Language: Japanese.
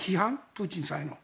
プーチンさんへの。